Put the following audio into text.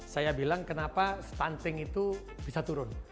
saya bilang kenapa stunting itu bisa turun